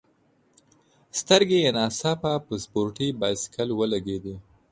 سترګي یې نا ځاپه په سپورټي بایسکل ولګېدې.